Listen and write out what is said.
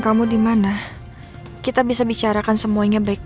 orang ni yang waktu waktu lupa buat pursa hawa pa n fortress